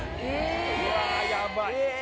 うわヤバい。え！